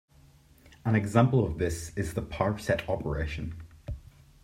An example of this is the power set operation.